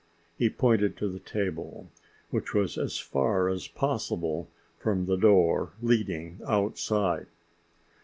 He pointed to the table, which was as far as possible from the door leading outside.